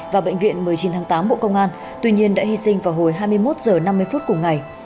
và bệnh viện một mươi chín tháng tám bộ công an tuy nhiên đã hy sinh vào hồi hai mươi một h năm mươi phút cùng ngày